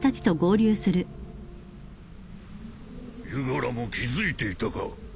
ゆガラも気付いていたか。